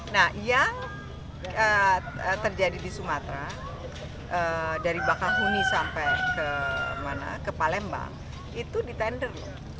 nah yang terjadi di sumatera dari bakahuni sampai ke palembang itu di tender